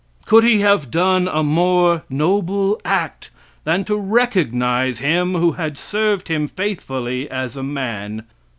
Could he have done a more noble act than to recognize him who had served him faithfully as a man?